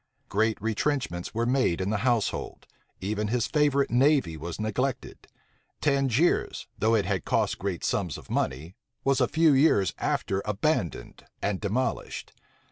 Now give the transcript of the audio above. Great retrenchments were made in the household: even his favorite navy was neglected: Tangiers, though it had cost great sums of money, was a few years after abandoned and demolished.